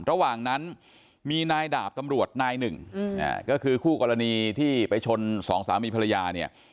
ระหว่างนั้นมีนายดาบตำรวจนายหนึ่งก็คือคู่กรณีที่ไปชนสองสามีภรรยาเนี่ย